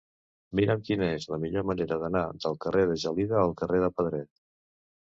Mira'm quina és la millor manera d'anar del carrer de Gelida al carrer de Pedret.